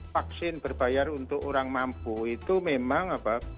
vaksin berbayar untuk orang mampu itu memang apa